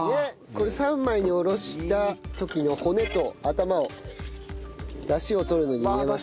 これ３枚におろした時の骨と頭をダシを取るのに入れました。